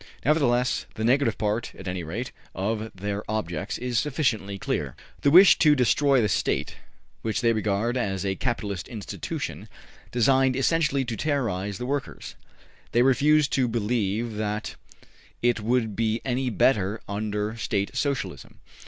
Nevertheless, the negative part, at any rate, of their objects is sufficiently clear. They wish to destroy the State, which they regard as a capitalist institution, designed essentially to terrorize the workers. They refuse to believe that it would be any better under State Socialism.